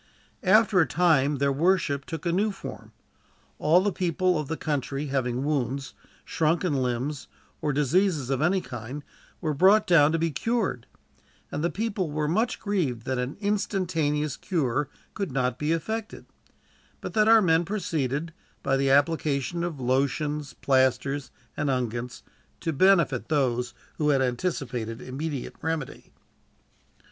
After a time, their worship took a new form. All the people of the country having wounds, shrunken limbs, or diseases of any kind were brought down to be cured; and the people were much grieved that an instantaneous cure could not be effected, but that our men proceeded, by the application of lotions, plasters, and unguents, to benefit those who had anticipated immediate remedy.